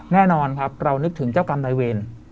แน่นอนครับเรานึกถึงเจ้ากรรมนายเวร